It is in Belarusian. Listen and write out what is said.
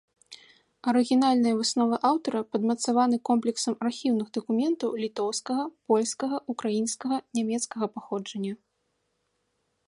Арыгінальныя высновы аўтара падмацаваны комплексам архіўных дакументаў літоўскага, польскага, украінскага, нямецкага паходжання.